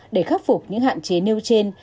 để khắc phục những hạn chế nêu trên